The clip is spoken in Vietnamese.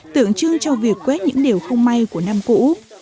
tượng trưng cho việc quét những điều không may của năm cũ